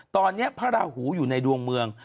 ตอนนี้พระราหูอยู่ในดวงเมือง